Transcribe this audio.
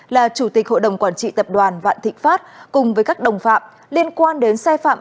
là chủ tịch hội đồng quản trị tập đoàn vạn thịnh pháp cùng với các đồng phạm liên quan đến sai phạm